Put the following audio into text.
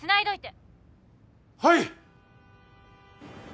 はい！